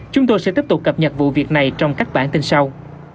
chúng tôi sẽ tiếp tục cập nhật vụ việc này trong các bản tin sau